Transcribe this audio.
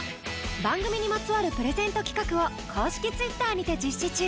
番組にまつわるプレゼント企画を公式Ｔｗｉｔｔｅｒにて実施中